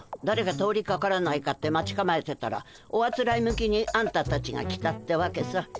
だれか通りかからないかって待ちかまえてたらおあつらえ向きにあんたたちが来たってわけさ。